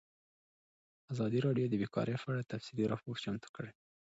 ازادي راډیو د بیکاري په اړه تفصیلي راپور چمتو کړی.